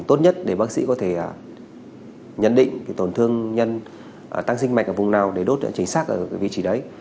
tốt nhất để bác sĩ có thể nhận định tổn thương nhân tăng sinh mạch ở vùng nào để đốt chính xác ở vị trí đấy